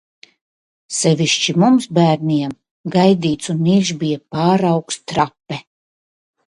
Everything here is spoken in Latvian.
Sevišķi mums bērniem gaidīts un mīļš bija pārraugs Trape.